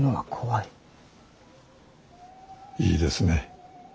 いいですね。